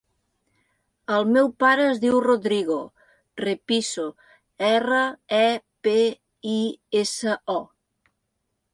El meu pare es diu Rodrigo Repiso: erra, e, pe, i, essa, o.